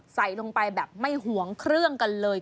ใส่ลงไปแบบไม่ห่วงเครื่องกันเลย